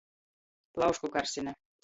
Plaušku karsine.